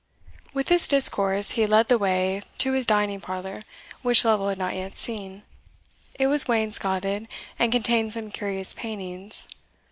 With this discourse he led the way to his dining parlour, which Lovel had not yet seen; it was wainscotted, and contained some curious paintings.